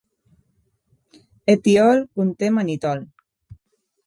Ethyol conté mannitol.